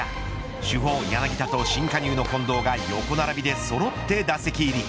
主砲、柳田と新加入の近藤が横並びでそろって打席入り。